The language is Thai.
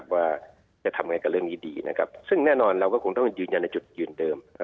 ว่าจะทำไงกับเรื่องนี้ดีนะครับซึ่งแน่นอนเราก็คงต้องยืนยันในจุดยืนเดิม